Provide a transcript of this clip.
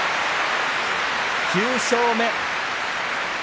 ９勝目。